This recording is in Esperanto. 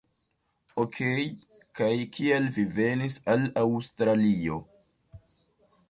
Okej, kaj kial vi venis al Aŭstralio?